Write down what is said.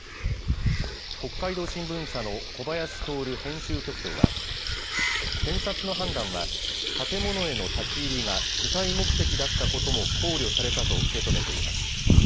北海道新聞社の小林亨編集局長は、検察の判断は建物への立ち入りが取材目的だったことも考慮されたと受け止めています。